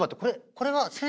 これは。